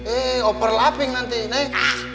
eh overlapping nanti nek